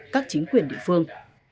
các chính quyền địa phương